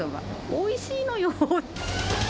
おいしいのよ。